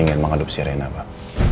ingin mengadopsi rena pak